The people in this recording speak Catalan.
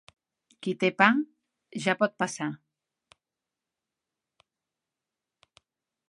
Qui té pa ja pot passar.